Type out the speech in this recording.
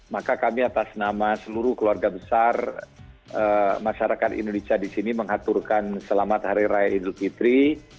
maka kami atas nama seluruh keluarga besar masyarakat indonesia di sini mengaturkan selamat hari raya idul fitri